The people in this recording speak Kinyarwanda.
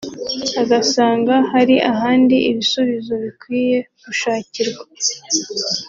agasanga hari ahandi ibisubizo bikwiye gushakirwa